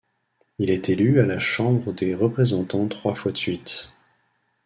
Il est élu à la chambre des représentants trois fois de suite.